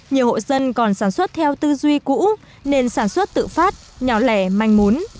nhiều hộ dân còn sản xuất theo tư duy cũ nền sản xuất tự phát nhỏ lẻ manh mún